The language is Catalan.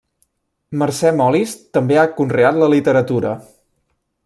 Mercè Molist també ha conreat la literatura.